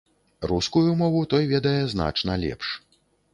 Рускую мову той ведае значна лепш.